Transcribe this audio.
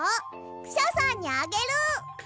クシャさんにあげる！